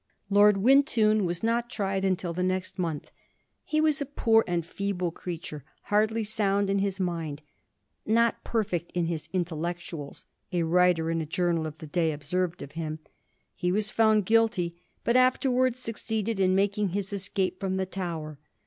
Lord Wintoun was not tried until the next month. He was a poor and feeble creature, hardly sound in his mind. * Not perfect in his intellectuals,' a writer in I a journal of the day observed of him. He was found guilty, but afterwai'ds succeeded in making his escape from the Tower.